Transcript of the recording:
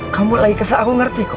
kamu lagi kesah aku ngerti kok